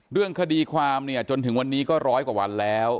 เรื่องคดีความเนี่ยจนถึงวันนี้ก็ร้อยกว่าวันแล้ว